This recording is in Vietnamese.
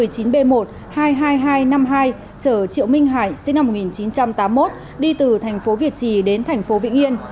chở triệu minh hải sinh năm một nghìn chín trăm tám mươi một đi từ thành phố việt trì đến thành phố vĩnh yên